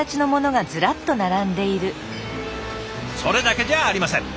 それだけじゃありません。